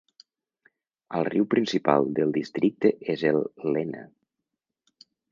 El riu principal del districte és el Lena.